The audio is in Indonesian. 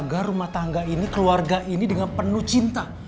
kamu bisa jahatin rumah tangga ini keluarga ini dengan penuh cinta